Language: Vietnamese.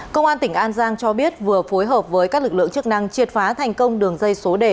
công an tỉnh an giang cho biết vừa phối hợp với các lực lượng chức năng triệt phá thành công đường dây số đề